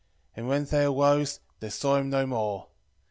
12:21 And when they arose, they saw him no more.